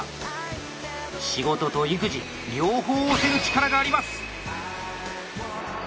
仕事と育児両方押せる力があります。